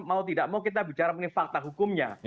mau tidak mau kita bicara mengenai fakta hukumnya